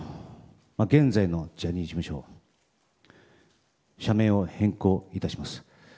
現在のジャニーズ事務所の社名を変更いたします。